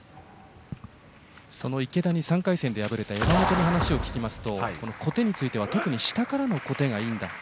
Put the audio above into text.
その池田に３回戦で敗れた山本の話を聞きますと小手については特に下からの小手がいいんだと。